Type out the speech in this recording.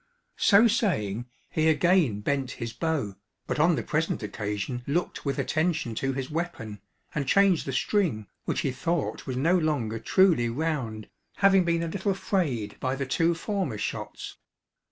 So saying, he again bent his bow, but on the present occasion looked with attention to his weapon, and changed the string, which he thought was no longer truly round, having been a little frayed by the two former shots.